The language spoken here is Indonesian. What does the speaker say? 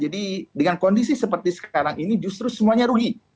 jadi dengan kondisi seperti sekarang ini justru semuanya rugi